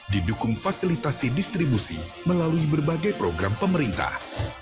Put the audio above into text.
didukung fasilitasi distribusi melalui berbagai program pemerintah